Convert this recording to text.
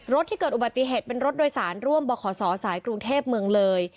ที่เกิดอุบัติเหตุเป็นรถโดยสารร่วมบขศสายกรุงเทพเมืองเลย